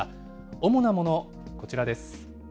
主なもの、こちらです。